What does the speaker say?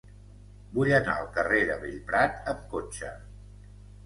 Vull anar al carrer de Bellprat amb cotxe.